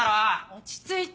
落ち着いて。